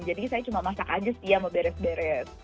jadi saya cuma masak aja setia mau beres beres